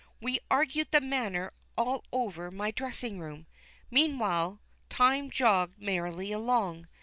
We argued the matter all over my dressing room. Meanwhile, time jogged merrily along.